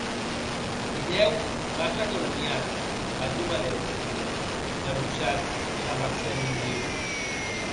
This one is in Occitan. Dilhèu m’aja calomniat a jo madeish, didec, cabussat e damb accent ombriu.